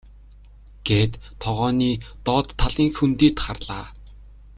гээд тогооны доод талын хөндийд харлаа.